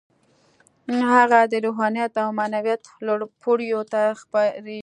هغه د روحانيت او معنويت لوړو پوړيو ته خېژوي.